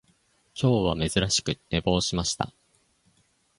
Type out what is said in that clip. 今日は珍しく寝坊しました